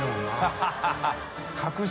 ハハハ